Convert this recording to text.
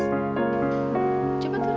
sekarang sebelah kiri